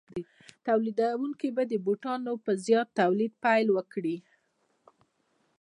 تولیدونکي به د بوټانو په زیات تولید پیل وکړي